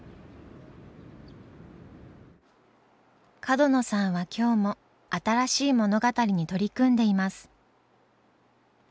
角野さんは今日も新しい物語に取り組んでいます。